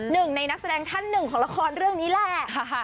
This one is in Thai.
หนึ่งในนักแสดงท่านหนึ่งของละครเรื่องนี้แหละ